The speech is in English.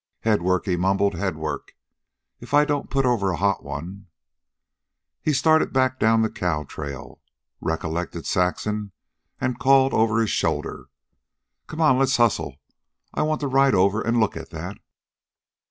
"Head work," he mumbled. "Head work. If I don't put over a hot one " He started back down the cow trail, recollected Saxon, and called over his shoulder: "Come on. Let's hustle. I wanta ride over an' look at that."